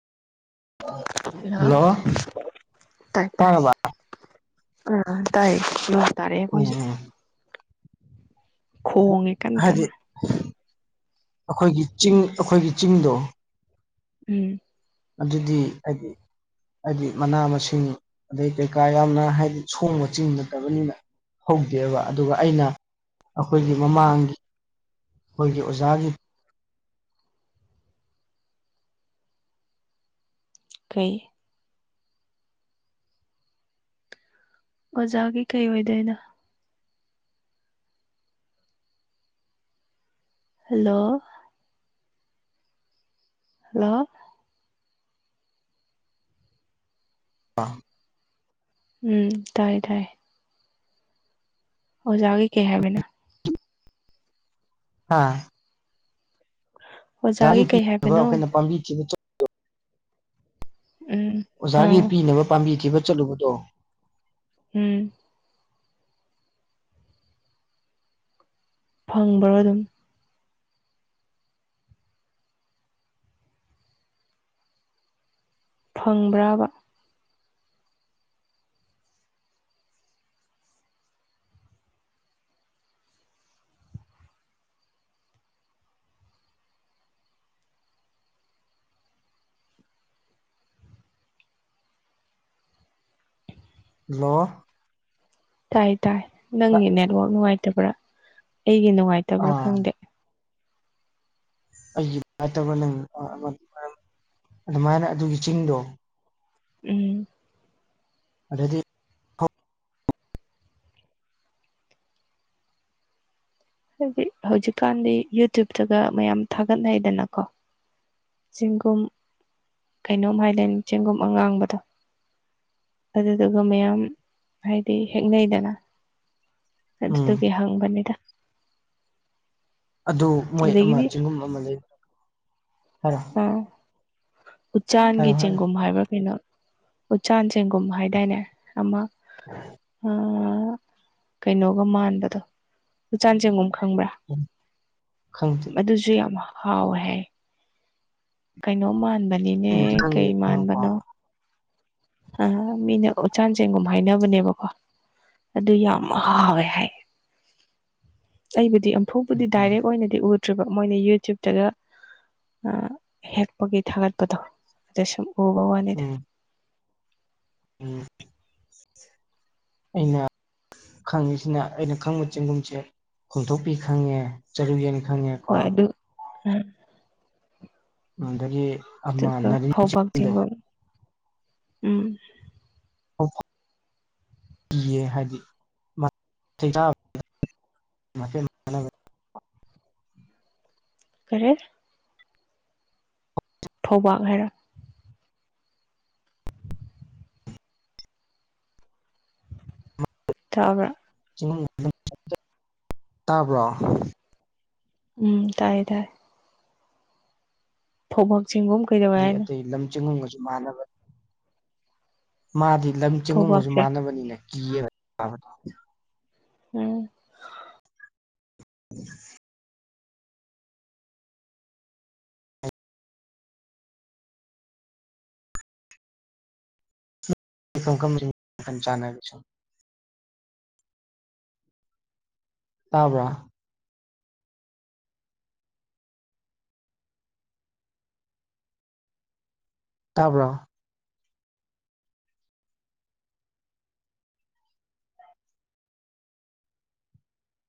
hello ꯇꯥꯏ ꯇꯥꯏ ꯇꯥꯔꯕ ꯑꯥ ꯇꯥꯏ ꯃꯤꯋꯥ ꯇꯥꯔꯛꯑꯦ ꯑꯩꯈꯣꯏꯖꯨ ꯎꯝ ꯈꯣꯡꯉꯦ ꯀꯟ ꯍꯥꯏꯗꯤ ꯀꯟꯅ ꯑꯩꯈꯣꯏꯒꯤ ꯆꯤꯡ ꯑꯩꯈꯣꯏꯒꯤ ꯆꯤꯡꯗꯣ ꯎꯝ ꯑꯗꯨꯗꯤ ꯍꯥꯏꯗꯤ ꯑꯩꯗꯤ ꯃꯅꯥ ꯃꯁꯤꯡ ꯑꯗꯩ ꯀꯩꯀꯥ ꯌꯥꯝꯅ ꯍꯥꯏꯗꯤ ꯁꯣꯡꯕ ꯆꯤꯡ ꯅꯠꯇꯥꯕꯅꯤꯅ ꯍꯧꯗꯦꯕ ꯑꯗꯨꯒ ꯑꯩꯅ ꯑꯈꯣꯏꯒꯤ ꯃꯃꯥꯡꯒꯤ ꯑꯈꯣꯏꯒꯤ ꯑꯣꯖꯥꯒꯤ ꯀꯩ ꯑꯣꯖꯥꯒꯤ ꯀꯩ ꯑꯣꯏꯗꯣꯏꯅꯣ ꯍꯜꯂꯣ ꯍꯜꯂꯣ [unintelligible] ꯎꯝ ꯇꯥꯏꯌꯦ ꯇꯥꯏꯌꯦ ꯑꯣꯖꯥꯒꯤ ꯀꯩ ꯍꯥꯏꯕꯅꯣ ꯍꯥ ꯑꯣꯖꯥꯒꯤ ꯀꯩ ꯄꯤꯅꯕ ꯍꯥꯏꯕꯅꯣ ꯑꯈꯣꯏꯅ ꯄꯥꯝꯕꯤ ꯊꯤꯕ ꯆꯠ ꯎꯝ ꯑꯣꯖꯥꯒꯤ ꯑꯥ ꯄꯤꯅꯕ ꯄꯥꯝꯕꯤ ꯊꯤꯕ ꯆꯠꯂꯨꯕꯗꯣ ꯎꯝ ꯐꯪꯕ꯭ꯔꯣ ꯑꯗꯨꯝ ꯐꯪꯕ꯭ꯔꯥꯕ ꯂꯣ ꯇꯥꯏ ꯇꯥꯏ ꯅꯪꯒꯤ ꯅꯦꯠꯋꯥꯛ ꯅꯨꯡꯉꯥꯏꯇꯕ꯭ꯔꯥ ꯑꯩꯒꯤ ꯅꯨꯡꯉꯥꯏꯇꯕ꯭ꯔꯥ ꯑꯥ ꯈꯪꯗꯦ ꯑꯩꯒꯤ ꯉꯥꯏꯠꯇꯥꯕ ꯅꯪ ꯑꯗꯨꯃꯥꯏꯅ ꯑꯗꯨꯒꯤ ꯆꯤꯡꯗꯣ ꯎꯝ ꯑꯗꯗꯤ ꯍꯥꯏꯗꯤ ꯍꯧꯖꯤꯛꯀꯥꯟꯗꯤ ꯌꯨꯇ꯭ꯌꯨꯞꯇꯥꯒ ꯃꯌꯥꯝ ꯊꯥꯒꯠꯅꯩꯗꯅꯀꯣ ꯆꯦꯡꯒꯨꯝ ꯀꯩꯅꯣꯝ ꯍꯥꯏꯗꯥꯏꯅꯦ ꯆꯦꯡꯒꯨꯝ ꯑꯉꯥꯡꯕꯗꯣ ꯑꯗꯨꯗꯨꯒ ꯃꯌꯥꯝ ꯍꯥꯏꯗꯤ ꯍꯦꯛꯅꯩꯗꯅ ꯎꯝ ꯑꯗꯨꯗꯨꯒꯤ ꯍꯪꯕꯅꯤꯗ ꯑꯗꯨ ꯃꯣꯏ ꯑꯃ ꯑꯗꯒꯤꯗꯤ ꯆꯤꯡꯒꯨꯝ ꯑꯃ ꯂꯩꯕ ꯍꯥꯏꯔꯣ ꯑꯥ ꯎꯆꯥꯟꯒꯤ ꯍꯥꯏꯔꯣ ꯍꯥꯏꯔꯣ ꯆꯦꯡꯒꯨꯝ ꯍꯥꯏꯕ꯭ꯔꯥ ꯀꯩꯅꯣ ꯎꯆꯥꯟ ꯆꯦꯡꯒꯨꯝ ꯍꯥꯏꯗꯥꯏꯅꯦ ꯑꯃ [inaudible] ꯑꯥ ꯀꯩꯅꯣꯒꯥ ꯃꯥꯟꯕꯗꯣ ꯎꯆꯥꯟ ꯆꯦꯡꯒꯨꯝ ꯈꯪꯕ꯭ꯔꯥ ꯈꯪꯗꯦ ꯑꯗꯨꯖꯨ ꯌꯥꯝ ꯍꯥꯎꯋꯦ ꯍꯥꯏ ꯀꯩꯅꯣ ꯃꯥꯟꯕꯅꯤꯅꯦ ꯈꯪꯕꯨꯗꯤ ꯈꯪꯉꯦ ꯀꯩ ꯈꯪꯉꯀꯣ ꯃꯥꯟꯕꯅꯣ ꯑꯥ ꯃꯤꯅ ꯎꯆꯥꯟ ꯆꯦꯡꯒꯨꯝ ꯍꯥꯏꯅꯕꯅꯦꯕꯀꯣ ꯑꯗꯨ ꯌꯥꯝ ꯍꯥꯎꯋꯦ ꯍꯥꯏ [inaudible] ꯑꯩꯕꯨꯗꯤ ꯑꯝꯐꯨꯕꯨꯗꯤ ꯗꯥꯏꯔꯦꯛ ꯑꯣꯏꯅꯗꯤ ꯎꯗ꯭ꯔꯤꯕ ꯃꯣꯏꯅ ꯌꯨꯇ꯭ꯌꯨꯞꯇꯥꯒ ꯑꯥ ꯍꯦꯛꯄꯒꯤ ꯊꯥꯒꯠꯄꯗꯣ ꯑꯗ ꯁꯨꯝ ꯎꯕ ꯋꯥꯠ ꯎꯝ ꯎꯝ ꯑꯩꯅ ꯈꯪꯉꯤꯁꯤꯅ ꯑꯩꯅ ꯈꯪꯕ ꯆꯦꯡꯒꯨꯝꯁꯦ ꯈꯣꯝꯊꯣꯛꯄꯤ ꯈꯪꯉꯦ ꯆꯥꯔꯨꯌꯦꯟ ꯈꯪꯉꯦꯀꯣ ꯎꯝ ꯑꯗꯒꯤ ꯑꯃ ꯑꯗꯨꯒ ꯅꯥꯔꯤꯟ ꯐꯥꯎꯕꯛ ꯆꯦꯡꯗꯣ ꯆꯦꯡꯒꯨꯝ ꯎꯝ ꯀꯤꯌꯦ ꯍꯥꯏꯗꯤ [unintelligible] ꯃꯊꯦꯜ ꯀꯔꯦꯛ ꯐꯧꯕꯥꯛ ꯍꯥꯏꯔ ꯇꯥꯕ꯭ꯔ ꯆꯤꯡ [unintelligible] ꯇꯥꯕ꯭ꯔꯣ ꯎꯝ ꯇꯥꯏ ꯇꯥꯏ ꯐꯧꯕꯥꯛ ꯆꯦꯡꯒꯨꯝ ꯀꯩꯗꯧꯋꯦ [unintelligible] ꯍꯥꯏꯅꯣ ꯑꯇꯩ ꯂꯝ ꯆꯦꯡꯒꯨꯝꯒꯁꯨ ꯃꯥꯟꯅꯕ ꯃꯥꯗꯤ ꯂꯝ ꯆꯦꯡꯒꯨꯝꯒꯁꯨ ꯐꯧꯕꯥꯛꯁꯦ ꯃꯥꯟꯅꯕꯅꯤꯅ ꯀꯤꯌꯦꯕ [unintelligible] ꯎꯝ [unintelligible] [inaudible] ꯀꯝ ꯀꯝꯕ [unintelligible] ꯇꯥꯕ꯭ꯔ ꯇꯥꯕ꯭ꯔꯣ